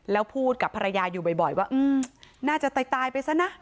แล้วพูดกับภรรยาอยู่บ่อยว่าน่าจะตายไปซะนะ